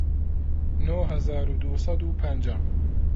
نۆ هەزار و دوو سەد و پەنجا